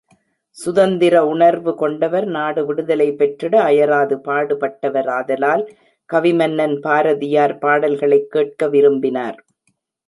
சுதந்திர உணர்வு கொண்டவர், நாடு விடுதலை பெற்றிட அயராது பாடுபட்டவராதலால், கவிமன்னன் பாரதியார் பாடல்களைக் கேட்க விரும்பினார்.